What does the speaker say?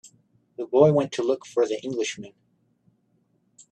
The boy went to look for the Englishman.